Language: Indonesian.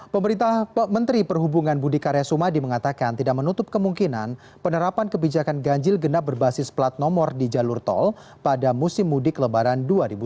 pemerintah menteri perhubungan budi karya sumadi mengatakan tidak menutup kemungkinan penerapan kebijakan ganjil genap berbasis plat nomor di jalur tol pada musim mudik lebaran dua ribu sembilan belas